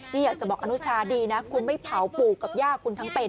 นี่อยากจะบอกอนุชาดีนะคุณไม่เผาปู่กับย่าคุณทั้งเป็น